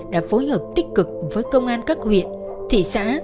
đã phối hợp tích cực với công an các huyện thị xã